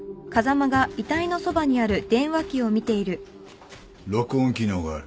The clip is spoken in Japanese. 録音機能がある。